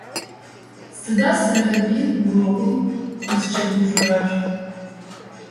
Сыда Сэрэбый урокым къызкӏэгужъорэр?